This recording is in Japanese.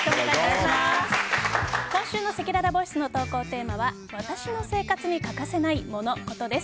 今週のせきららボイスの投稿テーマは私の生活に欠かせないモノ・コトです。